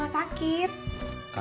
udah gak usah ke rumah sakit